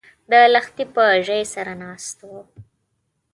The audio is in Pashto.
د لښتي په ژۍ سره ناست و